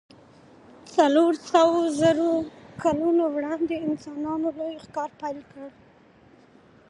څلور سوو زرو کلونو وړاندې انسانانو لوی ښکار پیل کړ.